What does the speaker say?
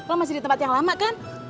lo masih di tempat yang lama kan